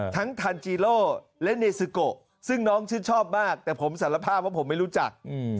ทั้งทันจีโล่และเนซิโกซึ่งน้องชื่นชอบมากแต่ผมสารภาพว่าผมไม่รู้จัก